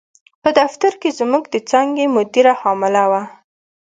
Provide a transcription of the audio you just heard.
په دفتر کې زموږ د څانګې مدیره حامله وه.